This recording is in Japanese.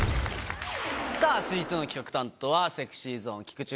さぁ続いての企画担当はＳｅｘｙＺｏｎｅ菊池風磨くんです。